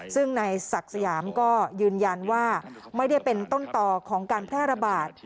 ซึ่งนายศักดิ์สยามก็ยืนยันว่าไม่ได้เป็นต้นต่อของการแพร่ระบาด